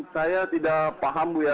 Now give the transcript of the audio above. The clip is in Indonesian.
saya tidak paham bu ya